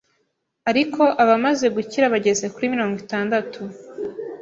ariko abamaze gukira bageze kuri mirongo itandatu